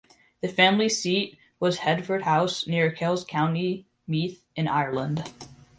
The family seat was Headfort House, near Kells, County Meath in Ireland.